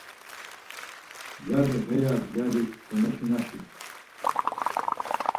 Yari heyar, yari gomaşinaşi.